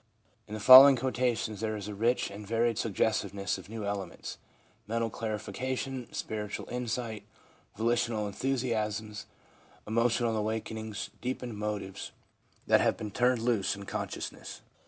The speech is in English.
In the following quotations there is a rich and varied suggestiveness of new elements, mental clarification, spiritual insight, volitional en thusiasms, emotional awakenings, deepened motives, that have been turned loose in consciousness: F.